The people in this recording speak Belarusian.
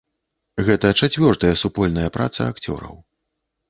Гэта чацвёртая супольная праца акцёраў.